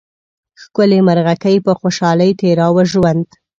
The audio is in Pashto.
ښکلې مرغکۍ په خوشحالۍ تېراوه ژوند